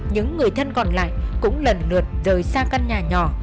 những người thân còn lại cũng lần lượt rời xa căn nhà nhỏ